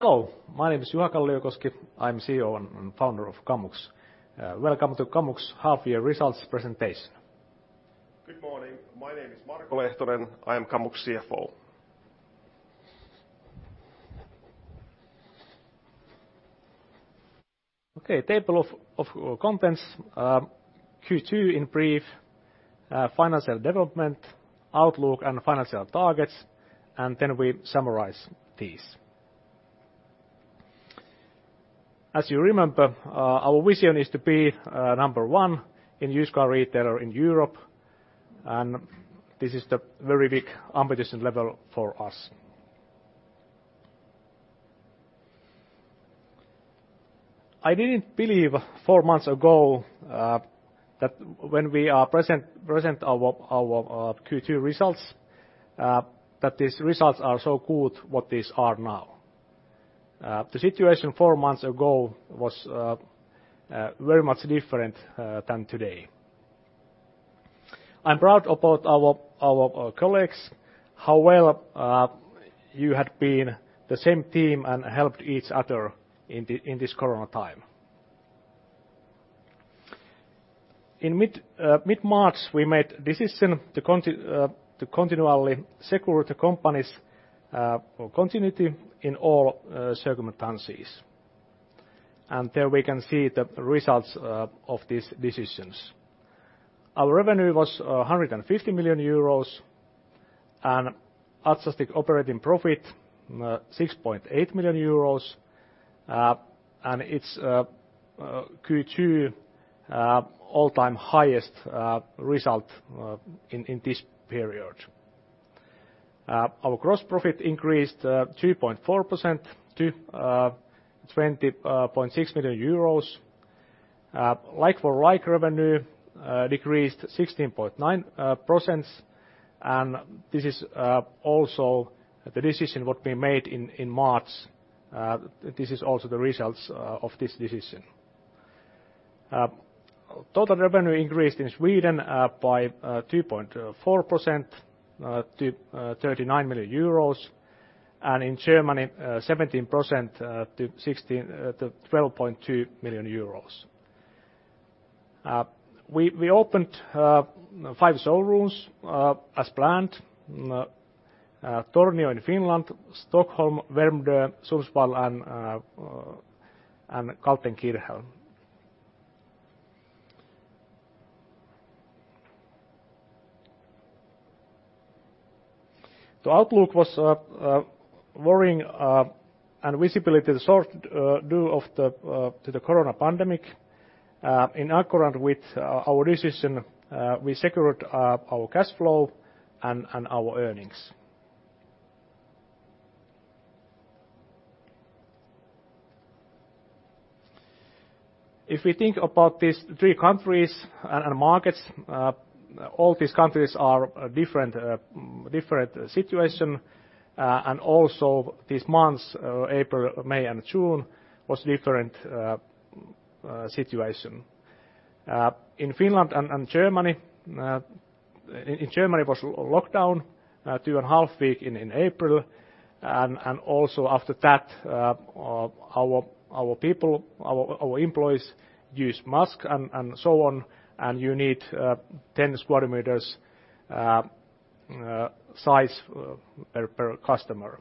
Hello, my name is Juha Kalliokoski. I am the CEO and founder of Kamux. Welcome to Kamux half-year results presentation. Good morning, my name is Marko Lehtonen. I am Kamux CFO. Okay, table of contents: Q2 in brief, financial development, outlook, and financial targets, and then we summarize these. As you remember, our vision is to be number one in used car retailer in Europe, and this is the very big competition level for us. I didn't believe four months ago that when we present our Q2 results, that these results are so good what they are now. The situation four months ago was very much different than today. I'm proud about our colleagues, how well you had been the same team and helped each other in this corona time. In mid-March, we made a decision to continually secure the company's continuity in all circumstances, and there we can see the results of these decisions. Our revenue was 150 million euros, and adjusted operating profit 6.8 million euros, and it's Q2 all-time highest result in this period. Our gross profit increased 2.4% to 20.6 million EUR. Like-for-like revenue decreased 16.9%, and this is also the decision that we made in March. This is also the results of this decision. Total revenue increased in Sweden by 2.4% to 39 million euros, and in Germany 17% to 12.2 million euros. We opened five showrooms as planned: Tornio in Finland, Stockholm, Värmdö, Sundsvall, and Kaltenkirchen. The outlook was worrying and visibly disordered due to the corona pandemic. In accordance with our decision, we secured our cash flow and our earnings. If we think about these three countries and markets, all these countries are a different situation, and also these months, April, May, and June, was a different situation. In Finland and Germany, in Germany was lockdown two and a half weeks in April, and also after that, our people, our employees used masks and so on, and you need 10 sq m size per customer.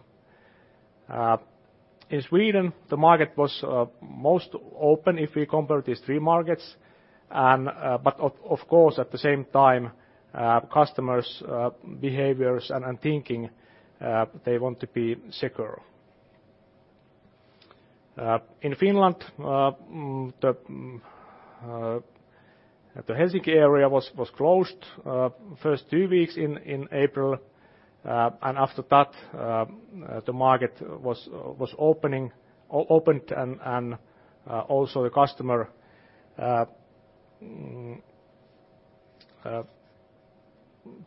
In Sweden, the market was most open if we compare these three markets, but of course at the same time, customers' behaviors and thinking, they want to be secure. In Finland, the Helsinki area was closed first two weeks in April, and after that, the market was opened, and also the customer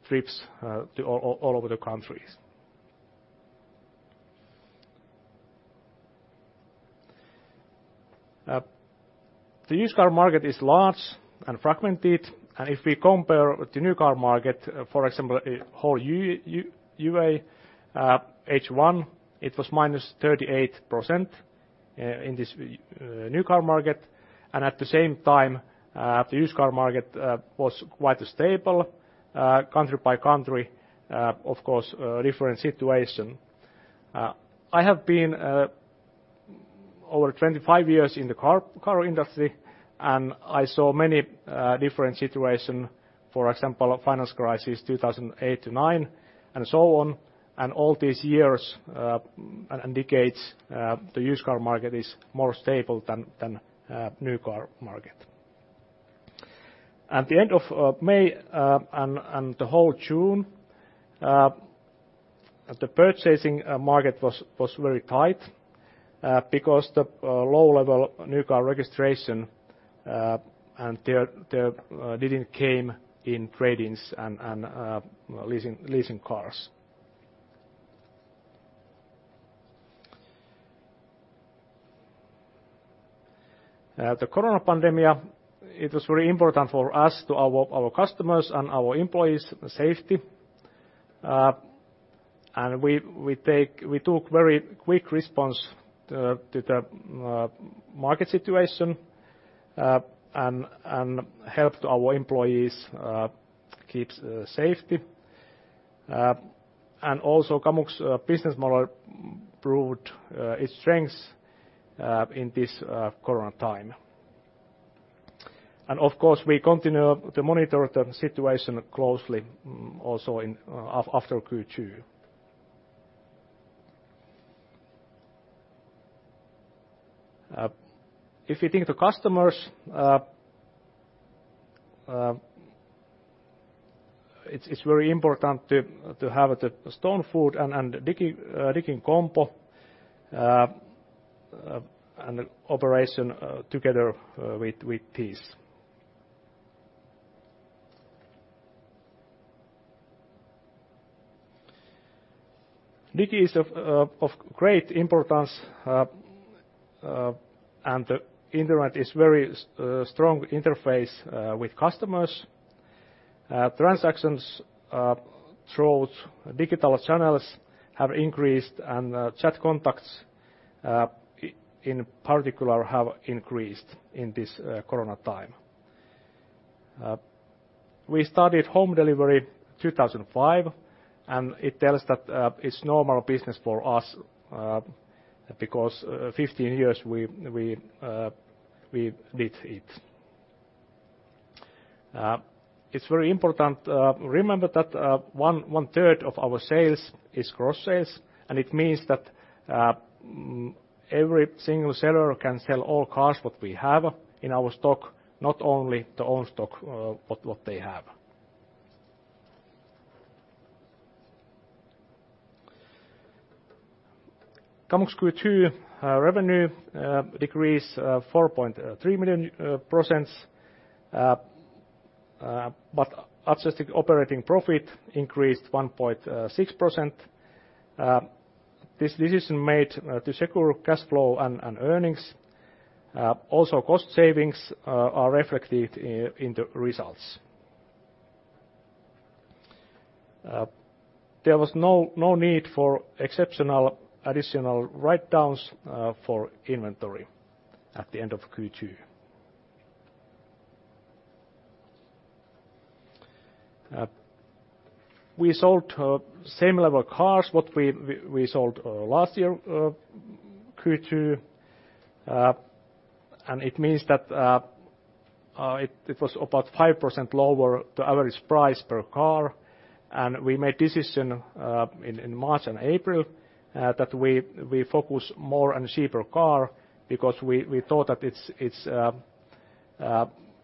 trips to all over the countries. The used car market is large and fragmented, and if we compare with the new car market, for example, whole EU H1, it was minus 38% in this new car market, and at the same time, the used car market was quite stable. Country by country, of course, different situation. I have been over 25 years in the car industry, and I saw many different situations, for example, financial crisis 2008-2009 and so on, and all these years and decades, the used car market is more stable than the new car market. At the end of May and the whole June, the purchasing market was very tight because the low-level new car registration and they didn't come in trade-ins and leasing cars. The corona pandemic, it was very important for us, to our customers and our employees, safety, and we took very quick response to the market situation and helped our employees keep safety, and also Kamux business model proved its strength in this corona time, and of course, we continue to monitor the situation closely also after Q2. If we think of customers, it is very important to have the stone foot and digital commerce and operation together with these. Digital is of great importance, and the internet is a very strong interface with customers. Transactions through digital channels have increased, and chat contacts in particular have increased in this corona time. We started home delivery in 2005, and it tells that it's normal business for us because 15 years we did it. It's very important to remember that one-third of our sales is cross sales, and it means that every single seller can sell all cars that we have in our stock, not only the own stock, but what they have. Kamux Q2 revenue decreased 4.3%, but adjusted operating profit increased 1.6%. This decision was made to secure cash flow and earnings. Also, cost savings are reflected in the results. There was no need for exceptional additional write-downs for inventory at the end of Q2. We sold same-level cars that we sold last year Q2, and it means that it was about 5% lower the average price per car, and we made a decision in March and April that we focus more on cheaper cars because we thought that it's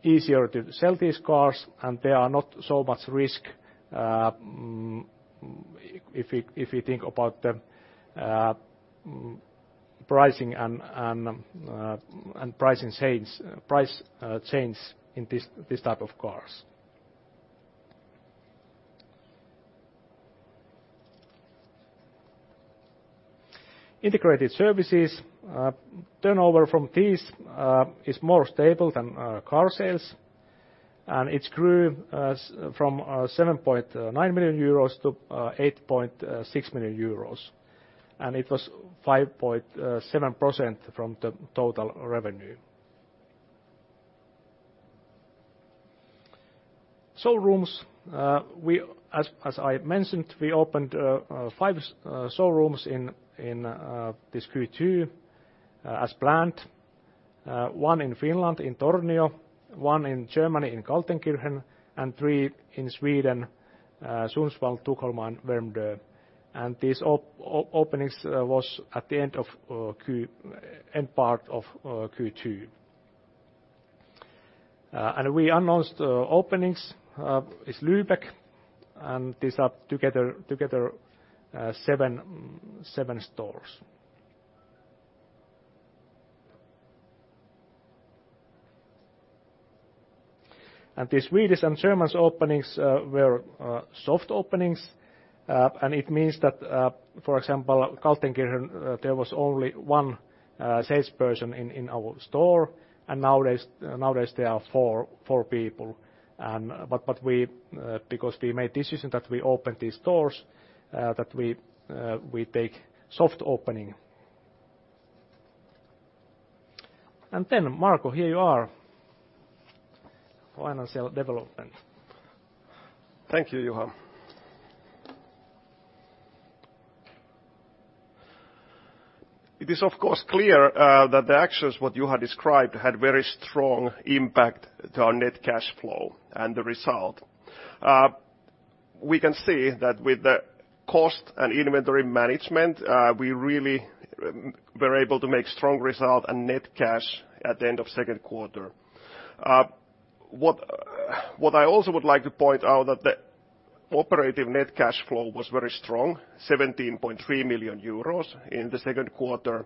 easier to sell these cars, and there are not so much risk if we think about the pricing and price changes in this type of cars. Integrated services, turnover from these is more stable than car sales, and it grew from 7.9 million-8.6 million euros, and it was 5.7% from the total revenue. Showrooms, as I mentioned, we opened five showrooms in this Q2 as planned, one in Finland in Tornio, one in Germany in Kaltenkirchen, and three in Sweden, Sundsvall, Stockholm and Värmdö, and these openings were at the end part of Q2. We announced openings in Lübeck, and these are together seven stores. The Swedish and German openings were soft openings, and it means that, for example, Kaltenkirchen, there was only one salesperson in our store, and nowadays there are four people, but because we made a decision that we opened these stores, that we take soft opening. Marko, here you are. Financial development. Thank you, Juha. It is, of course, clear that the actions that Juha described had a very strong impact on net cash flow and the result. We can see that with the cost and inventory management, we really were able to make strong results and net cash at the end of the second quarter. What I also would like to point out is that the operative net cash flow was very strong, 17.3 million euros in the second quarter,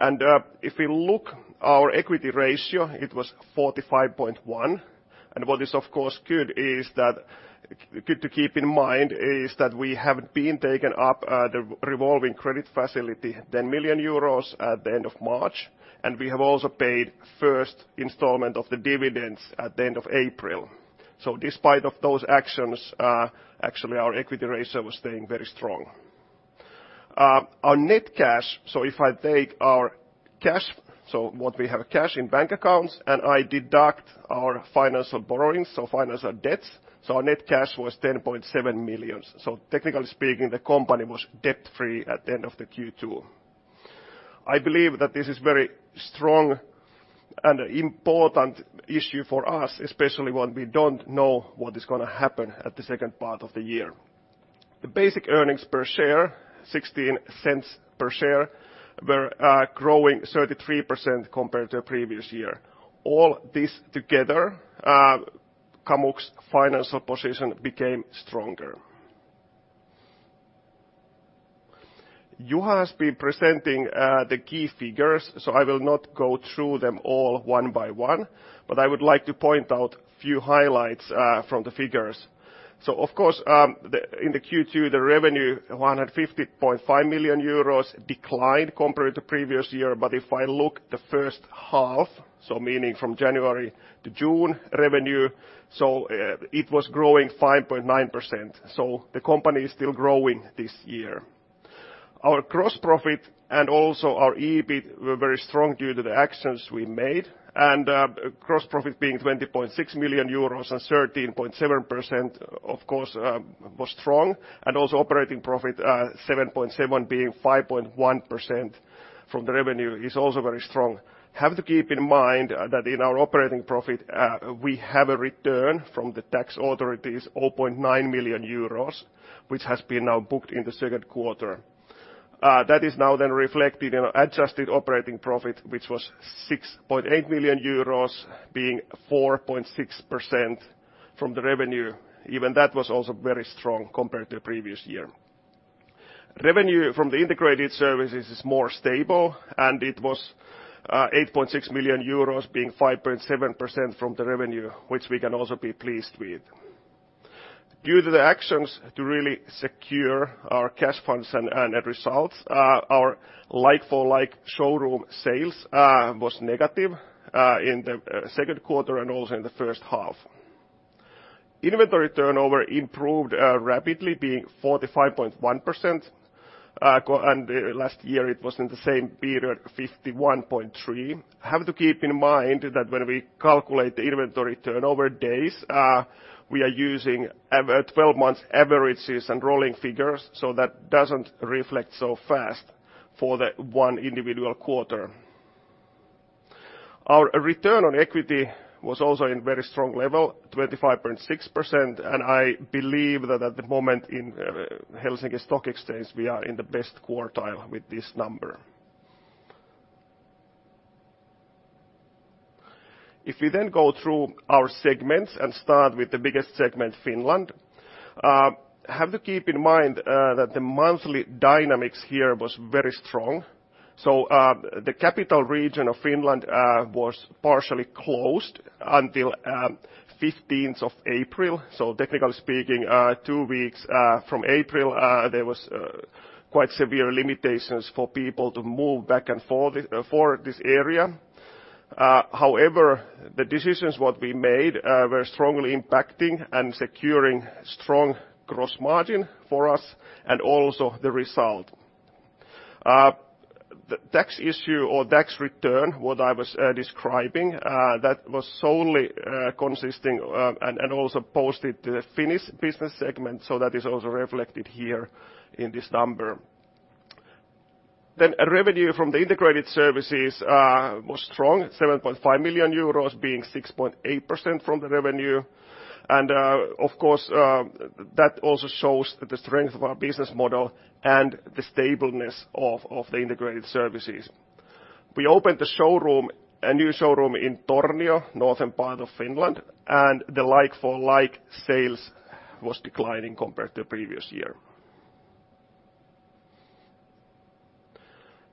and if we look at our equity ratio, it was 45.1%, and what is, of course, good to keep in mind is that we have been taking up the revolving credit facility 10 million euros at the end of March, and we have also paid the first installment of the dividends at the end of April. So despite those actions, actually our equity ratio was staying very strong. Our net cash, so if I take our cash, so what we have cash in bank accounts, and I deduct our financial borrowings, so financial debts, so our net cash was 10.7 million. So technically speaking, the company was debt-free at the end of Q2. I believe that this is a very strong and important issue for us, especially when we don't know what is going to happen at the second part of the year. The basic earnings per share, 0.16 per share, were growing 33% compared to the previous year. All this together, Kamux's financial position became stronger. Juha has been presenting the key figures, so I will not go through them all one by one, but I would like to point out a few highlights from the figures. So of course, in the Q2, the revenue, 150.5 million euros, declined compared to the previous year, but if I look at the first half, so meaning from January to June revenue, so it was growing 5.9%, so the company is still growing this year. Our gross profit and also our EBIT were very strong due to the actions we made, and gross profit being 20.6 million euros and 13.7%, of course, was strong, and also operating profit 7.7 million being 5.1% from the revenue is also very strong. Have to keep in mind that in our operating profit, we have a return from the tax authorities, 0.9 million euros, which has been now booked in the second quarter. That is now then reflected in adjusted operating profit, which was 6.8 million euros, being 4.6% from the revenue. Even that was also very strong compared to the previous year. Revenue from the integrated services is more stable, and it was 8.6 million euros, being 5.7% from the revenue, which we can also be pleased with. Due to the actions to really secure our cash funds and results, our like-for-like showroom sales was negative in the second quarter and also in the first half. Inventory turnover improved rapidly, being 45.1%, and last year it was in the same period 51.3%. Have to keep in mind that when we calculate the inventory turnover days, we are using 12-month averages and rolling figures, so that doesn't reflect so fast for the one individual quarter. Our return on equity was also in a very strong level, 25.6%, and I believe that at the moment in Helsinki Stock Exchange, we are in the best quartile with this number. If we then go through our segments and start with the biggest segment, Finland, have to keep in mind that the monthly dynamics here was very strong. So the capital region of Finland was partially closed until 15th of April, so technically speaking, two weeks from April, there were quite severe limitations for people to move back and forth for this area. However, the decisions that we made were strongly impacting and securing strong gross margin for us and also the result. The tax issue or tax return, what I was describing, that was solely consisting and also posted the Finnish business segment, so that is also reflected here in this number. Then revenue from the integrated services was strong, 7.5 million euros, being 6.8% from the revenue, and of course, that also shows the strength of our business model and the stableness of the integrated services. We opened a new showroom in Tornio, northern part of Finland, and the like-for-like sales was declining compared to the previous year.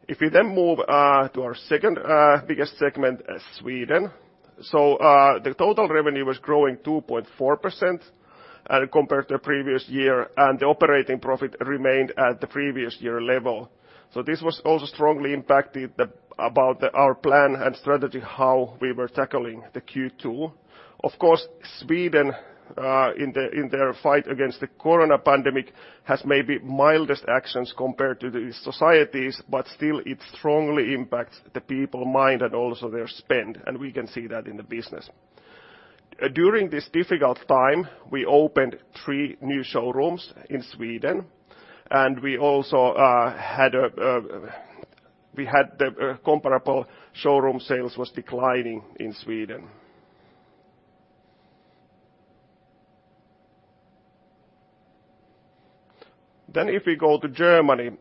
If we then move to our second biggest segment, Sweden, so the total revenue was growing 2.4% compared to the previous year, and the operating profit remained at the previous year level, so this was also strongly impacted about our plan and strategy, how we were tackling the Q2. Of course, Sweden, in their fight against the corona pandemic, has maybe mildest actions compared to these societies, but still it strongly impacts the people's mind and also their spend, and we can see that in the business. During this difficult time, we opened three new showrooms in Sweden, and we also had the comparable showroom sales was declining in Sweden. If we go to Germany,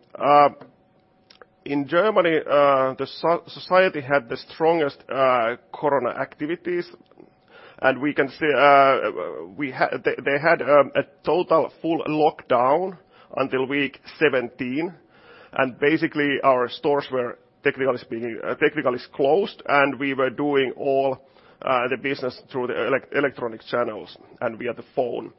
in Germany, the society had the strongest corona activities, and we can see they had a total full lockdown until week 17, and basically our stores were technically closed, and we were doing all the business through the electronic channels and via the phone.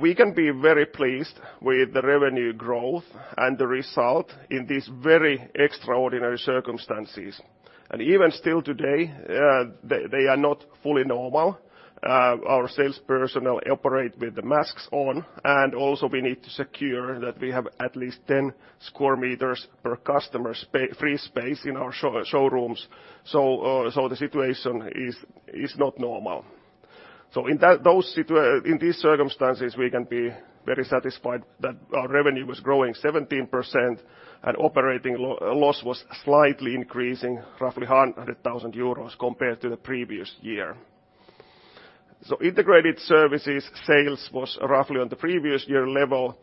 We can be very pleased with the revenue growth and the result in these very extraordinary circumstances, and even still today, they are not fully normal. Our salesperson operates with the masks on, and also we need to secure that we have at least 10 square meters per customer free space in our showrooms, so the situation is not normal. In these circumstances, we can be very satisfied that our revenue was growing 17%, and operating loss was slightly increasing, roughly 100,000 euros compared to the previous year. So integrated services sales was roughly on the previous year level,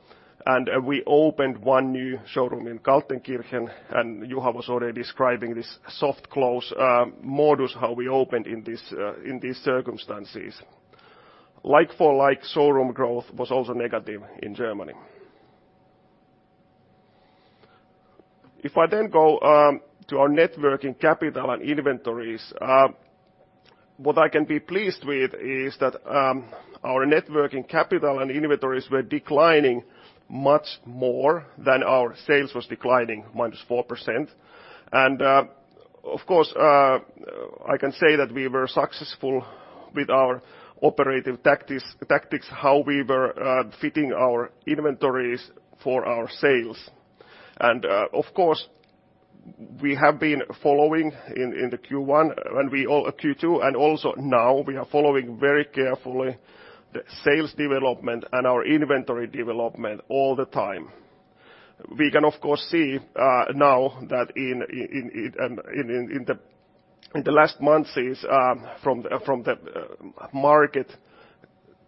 and we opened one new showroom in Kaltenkirchen, and Juha was already describing this soft close modus how we opened in these circumstances. Like-for-like showroom growth was also negative in Germany. If I then go to our net working capital and inventories, what I can be pleased with is that our net working capital and inventories were declining much more than our sales was declining, -4%, and of course, I can say that we were successful with our operative tactics, how we were fitting our inventories for our sales, and of course, we have been following in the Q1 and Q2, and also now we are following very carefully the sales development and our inventory development all the time. We can, of course, see now that in the last months from the market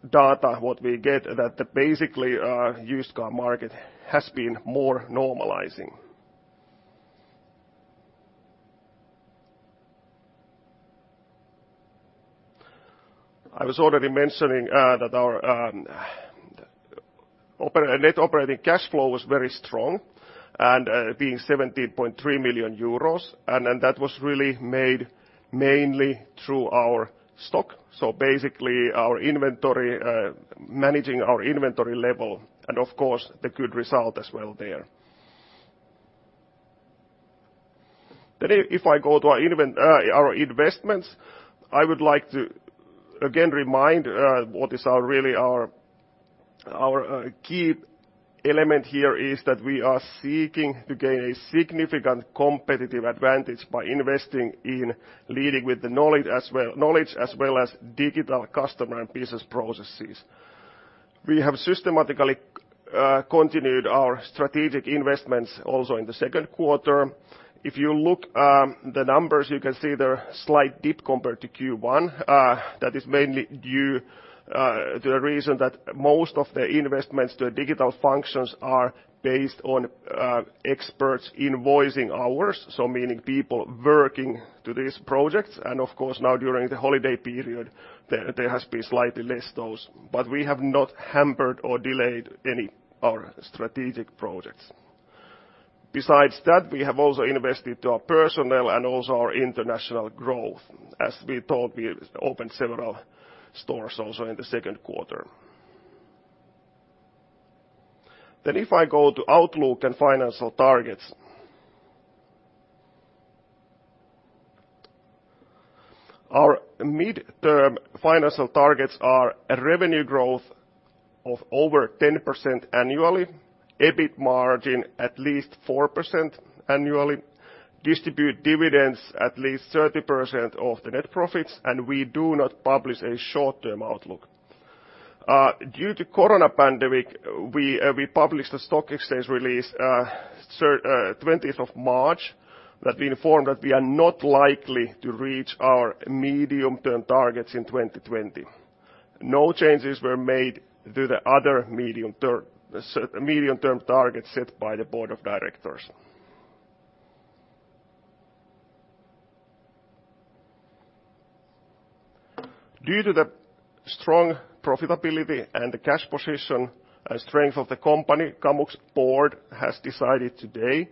data what we get that basically the used car market has been more normalizing. I was already mentioning that our net operating cash flow was very strong, and being 17.3 million euros, and that was really made mainly through our stock, so basically managing our inventory level, and of course, the good result as well there. Then if I go to our investments, I would like to again remind what is really our key element here is that we are seeking to gain a significant competitive advantage by investing in leading with the knowledge as well as digital customer and business processes. We have systematically continued our strategic investments also in the second quarter. If you look at the numbers, you can see they're slightly dip compared to Q1. That is mainly due to the reason that most of the investments to digital functions are based on experts invoicing hours, so meaning people working to these projects, and of course, now during the holiday period, there has been slightly less of those, but we have not hampered or delayed any of our strategic projects. Besides that, we have also invested to our personnel and also our international growth, as we told, we opened several stores also in the second quarter. Then if I go to Outlook and financial targets, our midterm financial targets are a revenue growth of over 10% annually, EBIT margin at least 4% annually, distribute dividends at least 30% of the net profits, and we do not publish a short-term outlook. Due to the corona pandemic, we published a stock exchange release on the 20th of March that we informed that we are not likely to reach our medium-term targets in 2020. No changes were made to the other medium-term targets set by the Board of Directors. Due to the strong profitability and the cash position and strength of the company, Kamux Board has decided today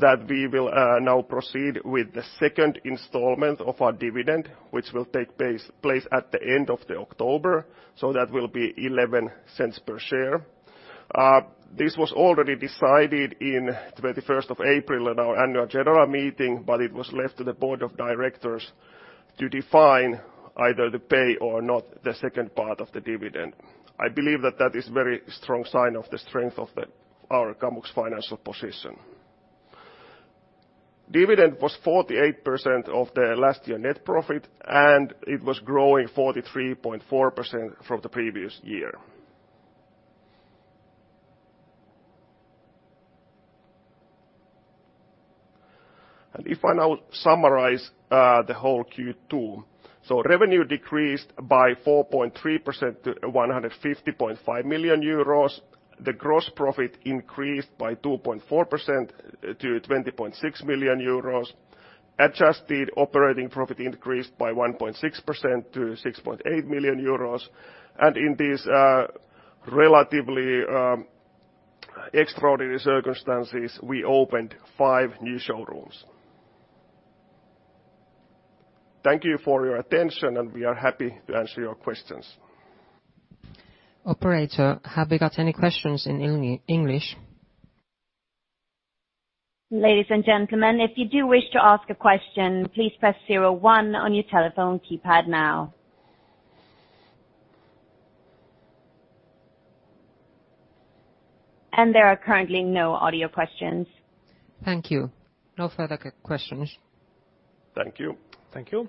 that we will now proceed with the second installment of our dividend, which will take place at the end of October, so that will be 0.11 per share. This was already decided on the 21st of April at our Annual General Meeting, but it was left to the board of directors to define either to pay or not the second part of the dividend. I believe that that is a very strong sign of the strength of our Kamux's financial position. Dividend was 48% of the last year net profit, and it was growing 43.4% from the previous year. And if I now summarize the whole Q2, so revenue decreased by 4.3% to 150.5 million euros, the gross profit increased by 2.4% to 20.6 million euros, adjusted operating profit increased by 1.6% to 6.8 million euros, and in these relatively extraordinary circumstances, we opened five new showrooms. Thank you for your attention, and we are happy to answer your questions. Operator, have we got any questions in English? Ladies and gentlemen, if you do wish to ask a question, please press 01 on your telephone keypad now. And there are currently no audio questions. Thank you. No further questions. Thank you. Thank you.